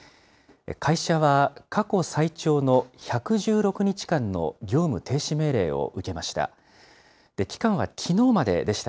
会社は過去最長の１１６日間の業務停止命令を受けました。